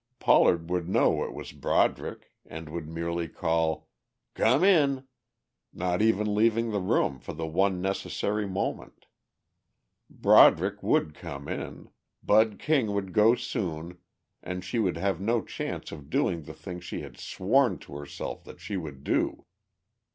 Pollard would know it was Broderick and would merely call, "Come in," not even leaving the room for the one necessary moment. Broderick would come in, Bud King would go soon and she would have no chance of doing the thing she had sworn to herself that she would do.